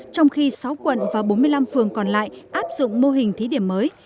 trong khi sáu quận và bốn mươi năm phường còn lại áp dụng mô hình thí điểm mới